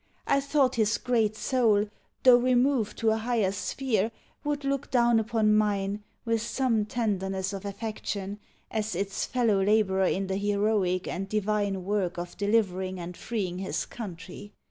I thought his great soul, though removed to a higher sphere, would look down upon mine with some tenderness of affection, as its fellow labourer in the heroic and divine work of delivering and freeing his country.